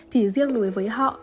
thì riêng đối với họ